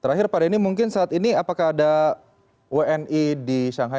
terakhir pak denny mungkin saat ini apakah ada wni di shanghai